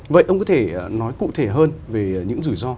vậy ông có thể nói cụ thể hơn về những rủi ro